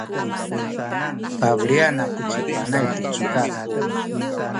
pabelian aku ci Panay tu cudad.